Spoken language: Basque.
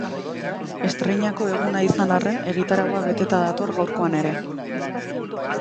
Estreinako eguna izan arren, egitaraua beteta dator gaurkoan ere.